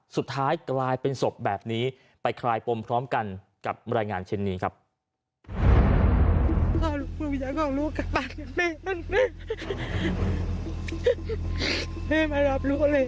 สุดท้ายกลายเป็นศพแบบนี้ไปคลายปมพร้อมกันกับรายงานชิ้นนี้ครับ